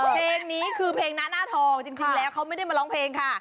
เพลงนี้คือเพลงหน้าหน้าทองจริงแล้วเขาไม่ได้มาร้องเพลงค่ะ